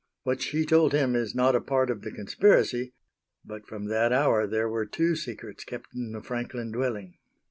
What she told him is not a part of the conspiracy, but from that hour there were two secrets kept in the Franklin dwelling.